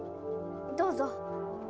どうぞ。